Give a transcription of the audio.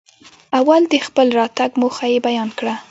او دخپل راتګ موخه يې بيان کره.